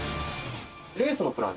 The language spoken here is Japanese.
レースのプラン